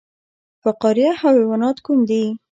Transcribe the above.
فقاریه حیوانات کوم دي؟